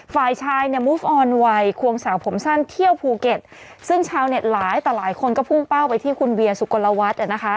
ฝ่ายชายเนี่ยมุฟออนไวควงสาวผมสั้นเที่ยวภูเก็ตซึ่งชาวเน็ตหลายต่อหลายคนก็พุ่งเป้าไปที่คุณเวียสุกลวัฒน์อ่ะนะคะ